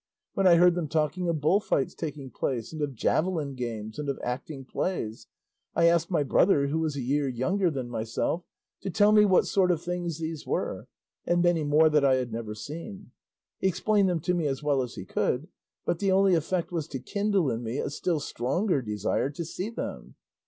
When I heard them talking of bull fights taking place, and of javelin games, and of acting plays, I asked my brother, who is a year younger than myself, to tell me what sort of things these were, and many more that I had never seen; he explained them to me as well as he could, but the only effect was to kindle in me a still stronger desire to see them.